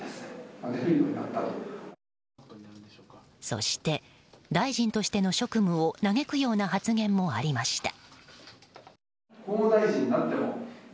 そして、大臣としての職務を嘆くような発言もありました。